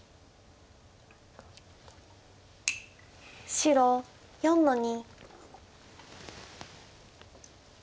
白４の二。